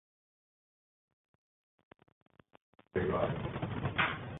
Man måste sätta sig i respekt först, annars går det galet.